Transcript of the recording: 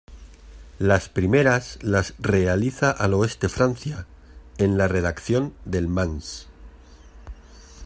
Las primeras las realiza al Oeste Francia, en la redacción del Mans.